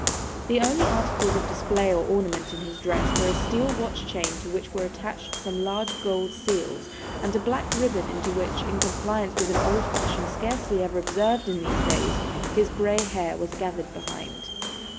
The only articles of display or ornament in his dress were a steel watch chain to which were attached some large gold seals; and a black ribbon into which, in compliance with an old fashion scarcely ever observed in these days, his grey hair was gathered behind.